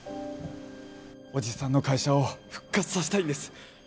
おじさんの会社を復活させたいんです。